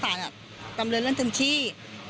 กำลังเลื่อนเรื่องถึงชื่อ